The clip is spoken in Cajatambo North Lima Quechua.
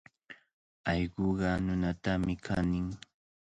Allquqa nunatami kanin.